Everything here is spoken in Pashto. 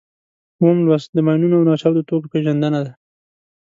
اووم لوست د ماینونو او ناچاودو توکو پېژندنه ده.